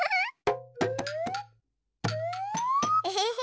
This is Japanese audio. エヘヘ。